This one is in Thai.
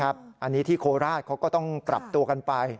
อันนี้ที่โคราชเขาก็ต้องปรับตัวกันไป